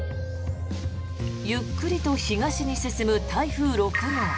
ゆっくりと東に進む台風６号。